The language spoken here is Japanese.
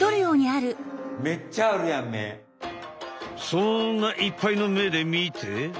そんないっぱいの目で見て。